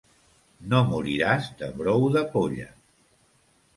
No moriràs de brou de polla.